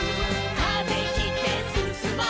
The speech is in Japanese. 「風切ってすすもう」